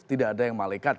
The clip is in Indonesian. tidak ada yang malekat